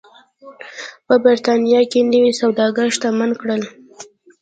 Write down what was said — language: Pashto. په برېټانیا کې نوي سوداګر شتمن کړل.